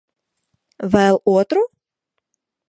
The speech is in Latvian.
Vēl otru?